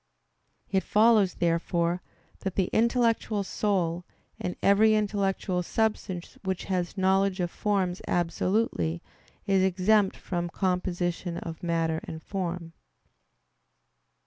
It follows, therefore, that the intellectual soul, and every intellectual substance which has knowledge of forms absolutely, is exempt from composition of matter and form.